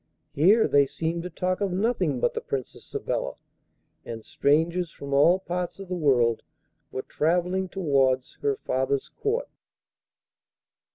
Here they seemed to talk of nothing but the Princess Sabella, and strangers from all parts of the world were travelling towards her father's Court.